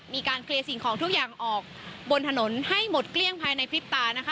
มีการเคลียร์สิ่งของทุกอย่างออกบนถนนให้หมดเกลี้ยงภายในพริบตานะคะ